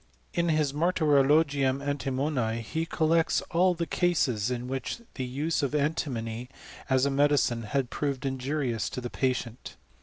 In his Martyrologium Antimonii he collects all the cases in which the use of antimony, at a medicine, had proved injurious to the patient.